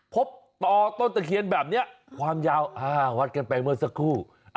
พบต่อต้นตะเคียนแบบนี้ความยาววัดกันไปเมื่อสักครู่